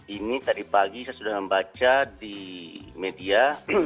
ini tadi pagi saya sudah membaca di media